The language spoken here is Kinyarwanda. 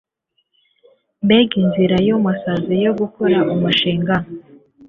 Mbega inzira yumusazi yo gukora umushinga